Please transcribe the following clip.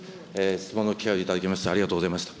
質問の機会を頂きましてありがとうございました。